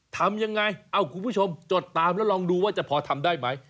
ทำอย่างไรบางผู้ชมจดตามแล้วลองดูว่าจะพอทำได้ไหม